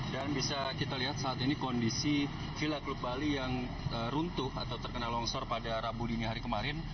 dan bisa kita lihat saat ini kondisi villa klub bali yang runtuh atau terkena longsor pada rabu dini hari kemarin